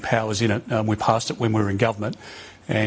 kami mengalaminya saat kami berada di pemerintah